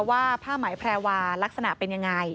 ว่าผ้าไหมแพรวาลักษณะเป็นยังไง